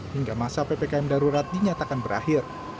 hingga masa ppkm darurat dinyatakan berakhir